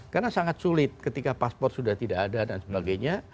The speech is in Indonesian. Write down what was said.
karena sangat sulit ketika paspor sudah tidak ada dan sebagainya